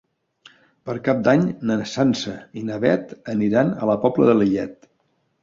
Per Cap d'Any na Sança i na Beth aniran a la Pobla de Lillet.